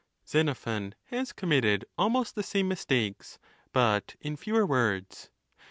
Xenophon has committed almost the same mistakes, but in fewer words.